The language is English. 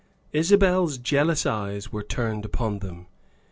Isabel's jealous eyes were turned upon them.